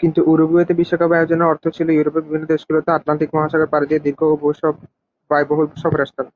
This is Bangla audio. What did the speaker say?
কিন্তু উরুগুয়েতে বিশ্বকাপ আয়োজনের অর্থ ছিল ইউরোপের বিভিন্ন দেশগুলোকে আটলান্টিক মহাসাগর পাড়ি দিয়ে দীর্ঘ ও ব্যয়বহুল সফরে আসতে হবে।